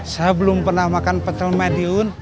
saya belum pernah makan petel madiun